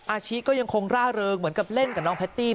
อาชิก็ยังคงร่าเริงเหมือนกับเล่นกับน้องแพตตี้